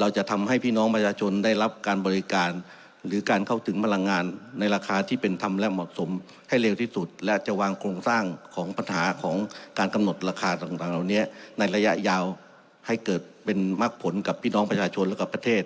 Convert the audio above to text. เราจะทำให้พี่น้องประชาชนได้รับการบริการหรือการเข้าถึงพลังงานในราคาที่เป็นทำและเหมาะสมให้เร็วที่สุดและจะวางโครงสร้างของปัญหาของการกำหนดราคาต่างเหล่านี้ในระยะยาวให้เกิดเป็นมักผลกับพี่น้องประชาชนและกับประเทศ